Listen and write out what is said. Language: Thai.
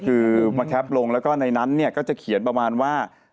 คือมาแคปลงแล้วก็ในนั้นเนี่ยก็จะเขียนประมาณว่า